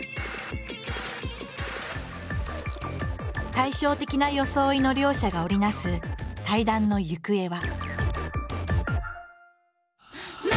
対照的な装いの両者が織り成す対談の行方は。